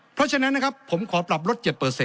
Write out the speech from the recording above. เพราะฉะนั้นนะครับผมขอปรับลด๗